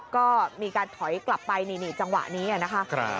ก็มีการถอยกลับไปนี่จังหวะนี้นะคะ